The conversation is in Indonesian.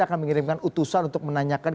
akan mengirimkan utusan untuk menanyakan